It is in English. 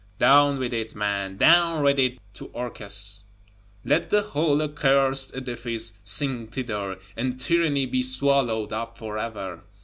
Down with it, man; down with it to Orcus: let the whole accursed edifice sink thither, and tyranny be swallowed up forever!